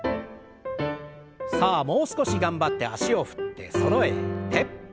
さあもう少し頑張って脚を振ってそろえて。